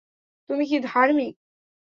তুমি কি ধার্মিক?